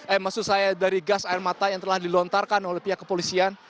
eh maksud saya dari gas air mata yang telah dilontarkan oleh pihak kepolisian